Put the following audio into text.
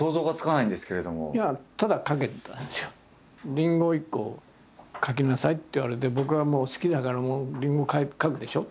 「りんごを一個描きなさい」って言われて僕がもう好きな柄のりんご描くでしょ。